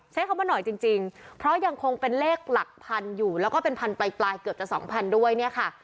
ใช้คำว่าหน่อยจริงเพราะยังคงเป็นเลขหลักพันอยู่แล้วก็เป็นพันปลายเกือบจะสองพันด้วยเนี่ยค่ะ